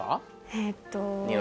えっと。